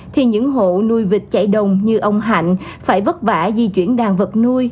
thì những hộ nuôi vịt chạy đồng như ông hạnh phải vất vả di chuyển đàn vật nuôi